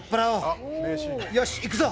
よしいくぞ！